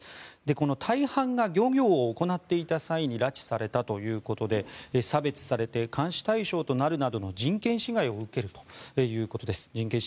この大半が漁業を行っていた際に拉致されたということで差別されて監視対象となるなどの人権侵害を受けるということです。